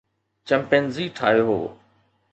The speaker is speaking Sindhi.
چمپينزي ٺاهيو